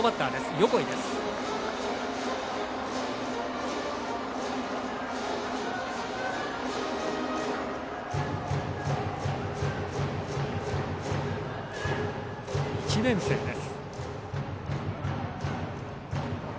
横井、１年生です。